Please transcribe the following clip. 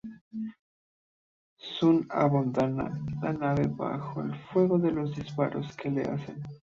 Sun abandona la nave bajo el fuego de los disparos que le hacen.